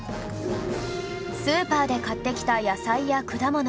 スーパーで買ってきた野菜や果物